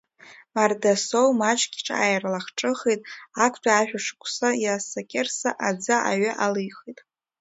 Мардасоу маҷк ҽааирлахҿыхит, актәи ашәышықәса Иаса Қьырса аӡы аҩы алихит.